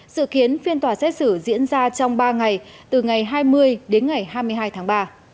sự kiến phiên tòa xét xử diễn ra trong ba ngày từ ngày hai mươi đến ngày hai mươi hai tháng ba